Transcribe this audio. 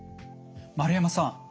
丸山さん